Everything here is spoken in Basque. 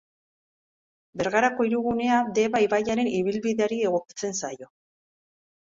Bergarako hirigunea Deba ibaiaren ibilbideari egokitzen zaio.